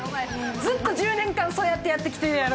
ずっと１０年間そうやってやってきてるやろうが。